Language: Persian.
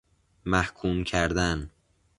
محکوم کردن